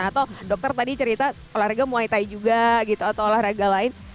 atau dokter tadi cerita olahraga muay thai juga gitu atau olahraga lain